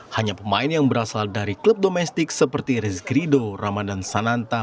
hanya pemain yang berasal dari klub domestik seperti rizkrido ramadan sananta